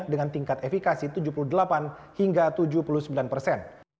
dengan tingkat efikasi tujuh puluh delapan hingga tujuh puluh sembilan persen